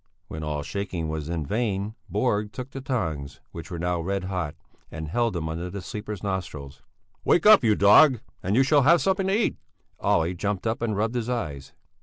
When all shaking was in vain Borg took the tongs, which were now red hot, and held them under the sleeper's nostrils. "Wake up, you dog, and you shall have something to eat!" Olle jumped up and rubbed his eyes.